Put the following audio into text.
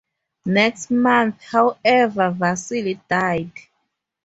Next month, however, Vasily died.